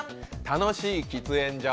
楽しい喫煙所。